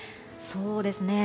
そうですね。